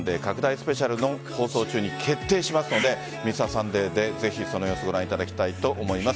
スペシャルの放送中に決定しますので「Ｍｒ．サンデー」でぜひその様子をご覧いただきたいと思います。